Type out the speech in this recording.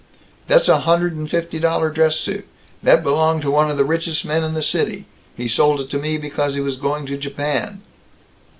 That's a hundred and fifty dollar dress suit! That belonged to one of the richest men in the city. He sold it to me because he was going to Japan."